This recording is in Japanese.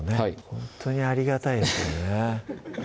ほんとにありがたいですよね